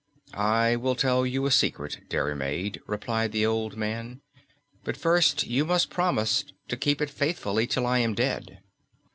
"I will tell you a secret, Diarmaid," replied the old man; "but first you must promise to keep it faithfully till I am dead."